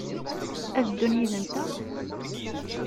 A ddun yid-nteɣ?